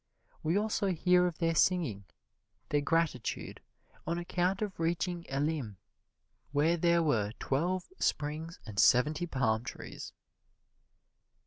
We also hear of their singing their gratitude on account of reaching Elim, where there were "twelve springs and seventy palm trees."